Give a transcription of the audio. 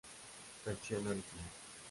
Versión Original